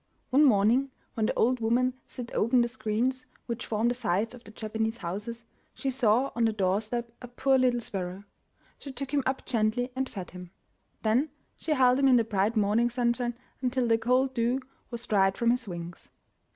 One morning when the old woman slid open the screens which form the sides of the Japanese houses, she saw on the doorstep a poor little sparrow. She took him up gently and fed him. Then she held him in the bright morning sunshine until the cold dew was dried from his wings.